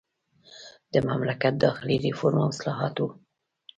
د مملکت داخلي ریفورم او اصلاحات وو.